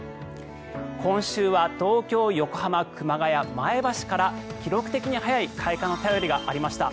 今週は東京、横浜、熊谷、前橋から記録的に早い開花の便りがありました。